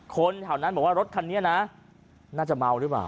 คนแถวนั้นบอกว่ารถคันนี้นะน่าจะเมาหรือเปล่า